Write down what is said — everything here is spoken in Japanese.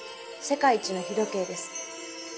世界一の日時計です。